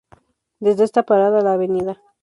Desde esta parada la Av.